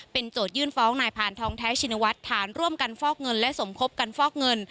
โจทยื่นฟ้องนายพานทองแท้ชินวัฒน์ฐานร่วมกันฟอกเงินและสมคบกันฟอกเงิน